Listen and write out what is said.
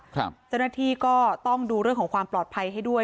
เจ้าหน้าที่ก็ต้องดูเรื่องของความปลอดภัยให้ด้วย